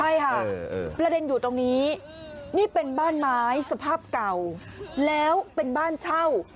ใช่ค่ะประเด็นอยู่ตรงนี้นี่เป็นบ้านไม้สภาพเก่าแล้วเป็นบ้านเช่า